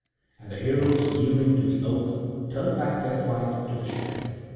And the heroes yielding to the oath, turned back their flight to the ship.